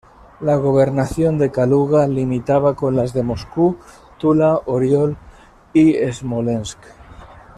La gobernación de Kaluga limitaba con las de Moscú, Tula, Oriol y Smolensk.